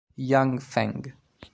Jiang Feng